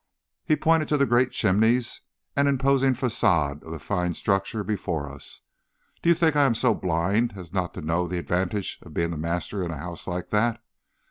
"He pointed to the great chimneys and imposing facade of the fine structure before us. 'Do you think I am so blind as not to know the advantage of being the master in a house like that?